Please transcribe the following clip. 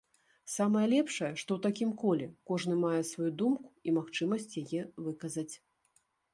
Самае лепшае, што ў такім коле кожны мае сваю думку і магчымасць яе выказаць.